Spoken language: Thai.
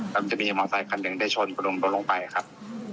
แล้วมันจะมีมอเซคันหนึ่งได้ชนรถลงไปครับ